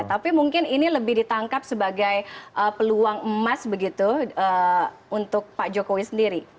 tapi mungkin ini lebih ditangkap sebagai peluang emas begitu untuk pak jokowi sendiri